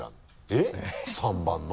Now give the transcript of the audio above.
えっ３番の？